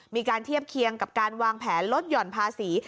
มีการเทียบเคียงกับการวางแผนลดหย่อนภาษี